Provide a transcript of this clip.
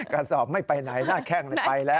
กระสอบไม่ไปไหนหน้าแข้งไปแล้ว